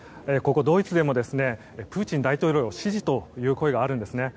ここドイツでもプーチン大統領支持という声があるんですね。